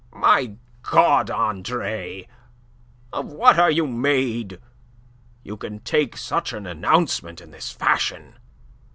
"My God, Andre, of what are you made? You can take such an announcement in this fashion?"